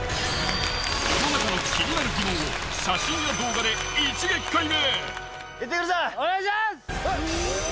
世の中の気になる疑問を写真や動画で一撃解明！